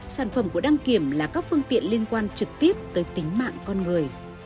sản phẩm của đăng kiểm là các phương tiện liên quan trực tiếp tới tính mạng con người